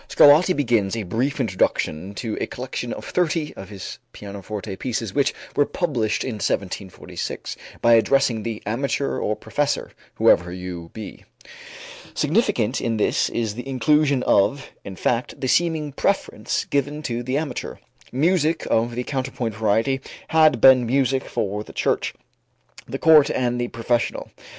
Scarlatti begins a brief introduction to a collection of thirty of his pianoforte pieces which were published in 1746, by addressing the "amateur or professor, whoever you be." Significant in this is the inclusion of, in fact the seeming preference given to the amateur. Music of the counterpoint variety had been music for the church, the court and the professional.